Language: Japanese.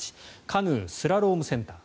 カヌー・スラロームセンター。